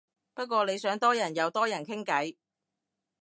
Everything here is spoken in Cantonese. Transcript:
不過你想多人又多人傾偈